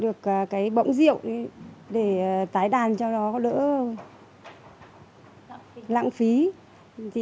được cái bỗng rượu để tái đàn cho nó đỡ lãng phí thì